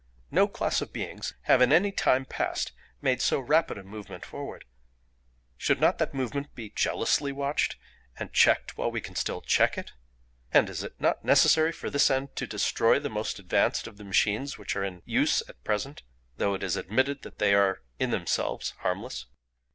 No class of beings have in any time past made so rapid a movement forward. Should not that movement be jealously watched, and checked while we can still check it? And is it not necessary for this end to destroy the more advanced of the machines which are in use at present, though it is admitted that they are in themselves harmless?